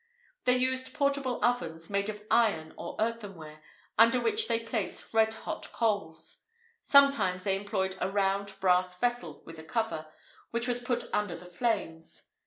[IV 54] They used portable ovens, made of iron or earthenware, under which they placed red hot coals. Sometimes they employed a round brass vessel with a cover, which was put under the flames.